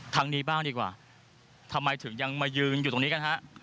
ทางนี้บ้างดีกว่าทำไมถึงยังมายืนอยู่ตรงนี้กันฮะ